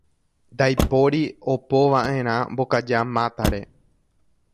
Ndaipóri opova'erã mbokaja mátare.